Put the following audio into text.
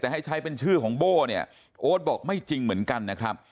แต่ให้ใช้เป็นชื่อของโบ้เนี่ยโอ๊ตบอกไม่จริงเหมือนกันนะครับ